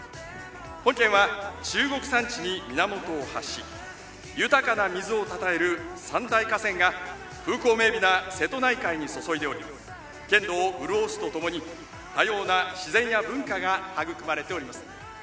本県は中国山地に源を発し豊かな水をたたえる三大河川が風光明美な瀬戸内海に注いでおり県土を潤すとともに多様な自然や文化が育まれております。